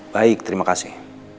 baik terima kasih